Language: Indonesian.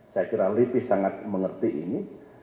saya kira lipi sangat mengerti ini